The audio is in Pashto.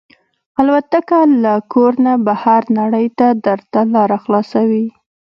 الوتکه له کور نه بهر نړۍ ته درته لاره خلاصوي.